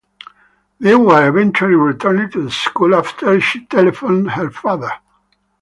They were eventually returned to the school after she telephoned her father.